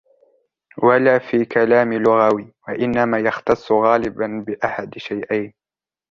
وَلَا فِي كَلَامٍ لُغَوِيٍّ وَإِنَّمَا يَخْتَصُّ غَالِبًا بِأَحَدِ شَيْئَيْنِ